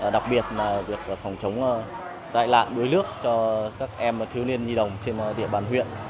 đặc biệt là việc phòng chống tai nạn đuối nước cho các em thiếu niên nhi đồng trên địa bàn huyện